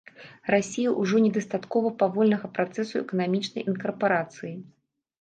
Расіі ўжо недастаткова павольнага працэсу эканамічнай інкарпарацыі.